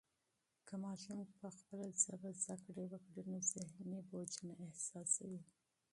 که ماشوم په خپله ژبه زده کړه و کي نو ذهني فشار نه احساسوي.